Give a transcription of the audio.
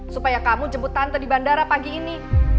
supaya kamu jemput tante di bandara pagi ini